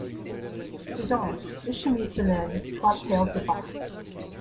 Dedans, deux chemises de laine, trois paires de bas.